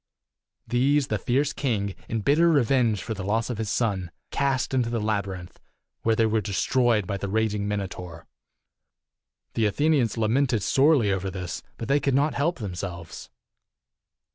These the fierce king, in bitter revenge for the loss of his son, cast into the labyrinth, where they were destroyed by the raging Minotaur. The Athenians lamented sorely over this, but they could not help themselves.